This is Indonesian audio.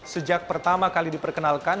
sejak pertama kali diperkenalkan